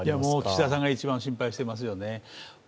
岸田さんが一番心配していますよね。